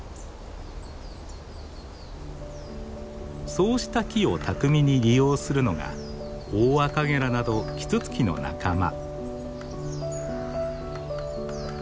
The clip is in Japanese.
そうした木を巧みに利用するのがオオアカゲラなどキツツキの仲間。